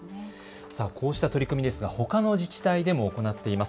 こうした取り組みですがほかの自治体でも行っています。